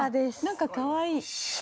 なんかかわいい。